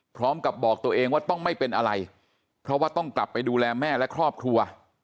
บอกตัวเองว่าต้องไม่เป็นอะไรเพราะว่าต้องกลับไปดูแลแม่และครอบครัว